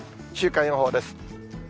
週間予報です。